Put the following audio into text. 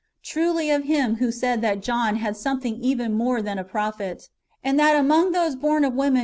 Truly of Him wdio said that John had something even "more than a prophet,"'' and that "among those born ^ Luke i.